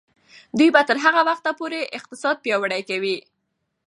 دوی به تر هغه وخته پورې اقتصاد پیاوړی کوي.